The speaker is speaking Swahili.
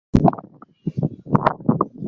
ugonjwa huo unaweza kusambazwa kupitia mate